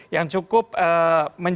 yang cukup menjadi perhatian dan perhatian